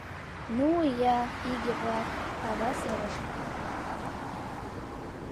— Ну ия иге-влак! — ава сырыш.